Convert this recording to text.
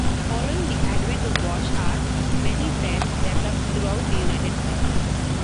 Following the advent of Wash Art, many fairs developed throughout the United States.